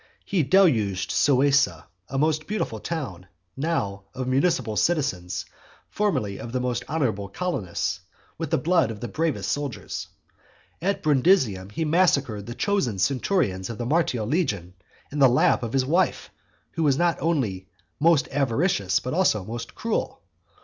He deluged Suessa, a most beautiful town, now of municipal citizens, formerly of most honourable colonists, with the blood of the bravest soldiers. At Brundusium he massacred the chosen centurions of the Martial legion in the lap of his wife, who was not only most avaricious but also most cruel.